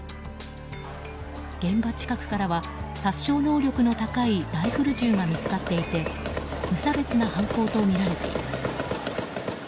現場近くからは殺傷能力の高いライフル銃が見つかっていて無差別な犯行とみられています。